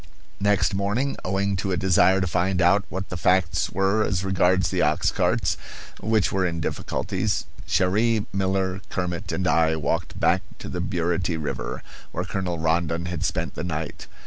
Next morning owing to a desire to find out what the facts were as regards the ox carts, which were in difficulties Cherrie, Miller, Kermit, and I walked back to the Burity River, where Colonel Rondon had spent the night.